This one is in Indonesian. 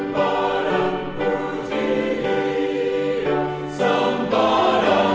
tidak harus kini ini dengan pula